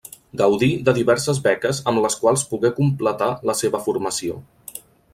Gaudí de diverses beques amb les quals pogué completar la seva formació.